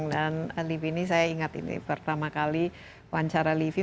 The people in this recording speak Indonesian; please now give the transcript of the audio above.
dan livi ini saya ingat ini pertama kali wancara livi